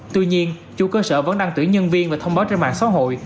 tuy nhiên chủ cơ sở vẫn đăng tuyển nhân viên và thông báo trên mạng xã hội